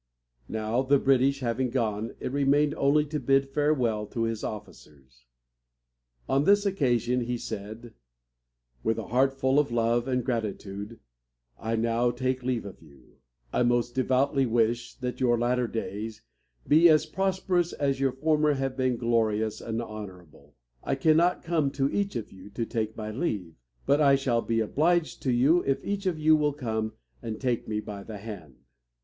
Now, the British having gone, it remained only to bid farewell to his officers. On this occasion he said: "With a heart full of love and gratitude I now take leave of you. I most devoutly wish that your latter days may be as prosperous as your former have been glorious and honorable. I cannot come to each of you to take my leave, but I shall be obliged to you if each of you will come and take me by the hand."